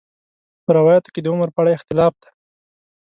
په روایاتو کې د عمر په اړه اختلاف دی.